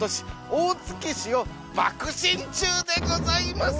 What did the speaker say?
大月市をばく進中でございます！